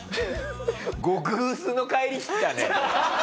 極薄の返りきたね。